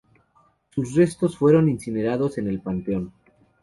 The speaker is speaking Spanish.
Sus restos fueron incinerados en el Panteón Español.